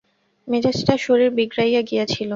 মেজাজটা শশীর বিগড়াইয়া গিয়াছিল।